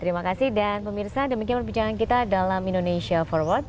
terima kasih dan pemirsa demikian perbincangan kita dalam indonesia forward